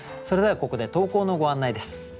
それではここで投稿のご案内です。